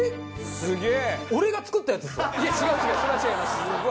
「すげえ！